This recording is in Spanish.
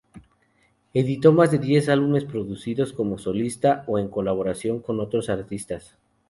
Editó más de diez álbumes producidos como solista o en colaboración con otros artistas.